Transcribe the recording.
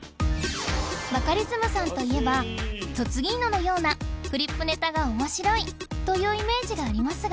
バカリズムさんといえば「トツギーノ」のようなフリップネタが面白いというイメージがありますが